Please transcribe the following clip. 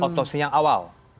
otopsi yang awal